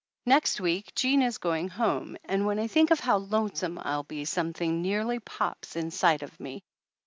Next week Jean is going home and when I think of how lonesome I'll be something nearly pops inside of me.